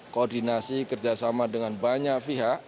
koordinasi kerjasama dengan banyak pihak